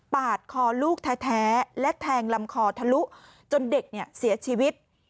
ปาดคอลูกแท้และแทงลำคอทะลุจนเด็กเสียชีวิต